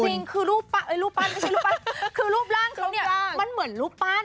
จริงคือรูปล้างคนนี้ดีมันเหมือนรูปปั้น